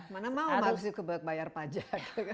mana mau harus juga bayar pajak